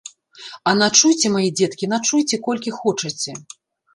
А начуйце, мае дзеткі, начуйце, колькі хочаце!